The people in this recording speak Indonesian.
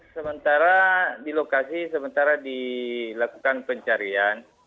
sementara di lokasi sementara dilakukan pencarian